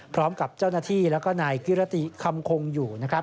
พร้อมกับเจ้าหน้าที่แล้วก็นายกิรติคำคงอยู่นะครับ